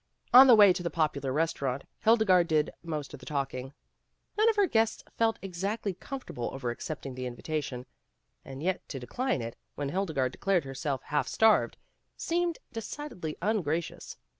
On the way to the popular restaurant, Hilde garde did most of the talking. None of her guests felt exactly comfortable over accepting the invitation ; and yet to decline it, when Hilde garde declared herself half starved, seemed de cidedly ungracious.